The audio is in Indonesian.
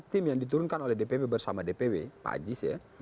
tim yang diturunkan oleh dpp bersama dpw pak ajis ya